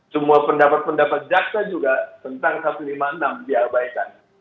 semua pendapat pendapat jaksa juga tentang satu ratus lima puluh enam diabaikan